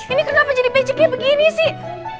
ini kenapa jadi peceknya begini sih